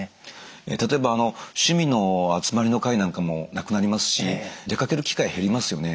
例えば趣味の集まりの会なんかもなくなりますし出かける機会減りますよね。